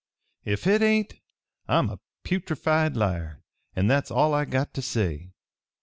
Ef hit hain't, I'm a putrified liar, an' that's all I got to say!"